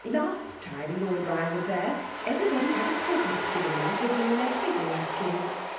Last time Lord Rye was there everybody had a present given them hidden in their table napkins.